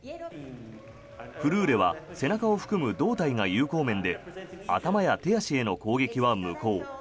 フルーレは背中を含む胴体が有効面で頭や手足への攻撃は無効。